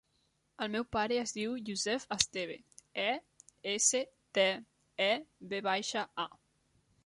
El meu pare es diu Youssef Esteva: e, essa, te, e, ve baixa, a.